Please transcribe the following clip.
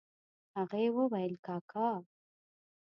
هغې وويل کاکا.